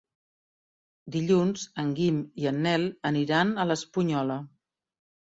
Dilluns en Guim i en Nel aniran a l'Espunyola.